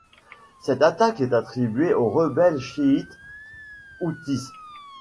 Cette attaque est attribuée aux rebelles chiites houthis.